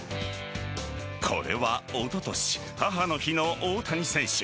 これはおととし母の日の大谷選手。